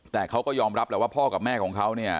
แต่เขาก็ยอมรับแหละว่าพ่อกับแม่ของเขาเนี่ย